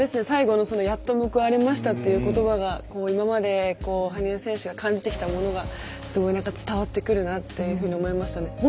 最後のやっと報われましたっていうことばが今まで羽生選手が感じていたものが伝わってくるなと思いましたね。